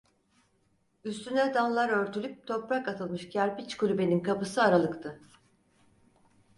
Üstüne dallar örtülüp toprak atılmış kerpiç kulübenin kapısı aralıktı.